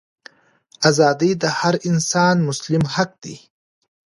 ازادي د هر انسان مسلم حق دی.